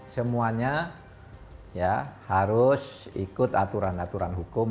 semuanya ya harus ikut aturan aturan hukum